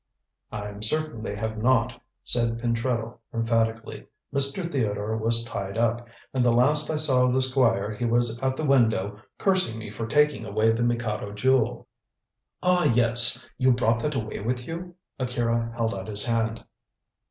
"I'm certain they have not," said Pentreddle emphatically. "Mr. Theodore was tied up, and the last I saw of the Squire he was at the window cursing me for taking away the Mikado Jewel." "Ah, yes! You brought that away with you!" Akira held out his hand.